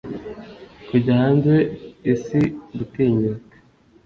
kujya hanze, isi gutinyuka.